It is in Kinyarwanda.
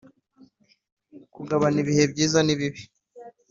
kugabana ibihe byiza nibibi,